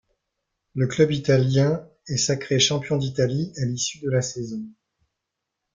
Le club italien est sacré champion d'Italie à l'issue de la saison.